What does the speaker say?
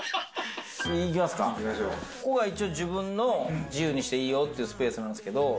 ここが自分の自由にしていいよっていうスペースなんですけど。